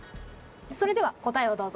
それでは答えをどうぞ。